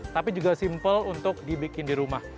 tapi juga simple untuk dibikin di rumah